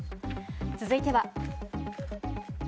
続いては。